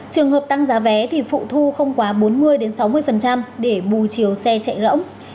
trường hợp tăng giá vé thì phụ thu không quá bốn mươi sáu mươi để bù chiều xe chạy rỗng